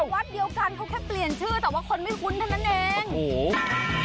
วัดเดียวกันเขาแค่เปลี่ยนชื่อแต่ว่าคนไม่คุ้นเท่านั้นเองโอ้โห